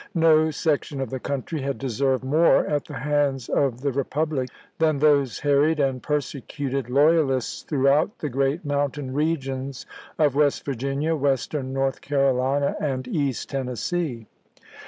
No section of the country had deserved more at the hands of the re public than those harried and persecuted loyalists throughout the gi eat mountain regions of West Vir ginia, Western North Carolina, and East Tennessee.